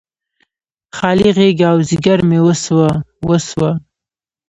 خالي غیږه او ځیګر مې وسوه، وسوه